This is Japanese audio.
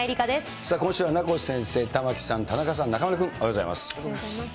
今週は名越先生、玉城さん、田中さん、中丸君、おはようございます。